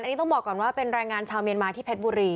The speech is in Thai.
อันนี้ต้องบอกก่อนว่าเป็นแรงงานชาวเมียนมาที่เพชรบุรี